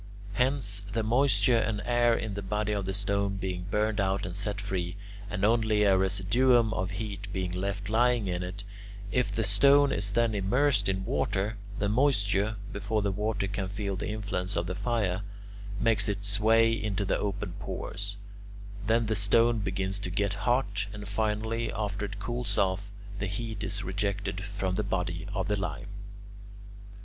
Hence, the moisture and air in the body of the stone being burned out and set free, and only a residuum of heat being left lying in it, if the stone is then immersed in water, the moisture, before the water can feel the influence of the fire, makes its way into the open pores; then the stone begins to get hot, and finally, after it cools off, the heat is rejected from the body of the lime.